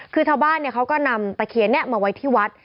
คือชาวบ้านเขาก็นำตะเคียนนี้มาไว้ที่วัด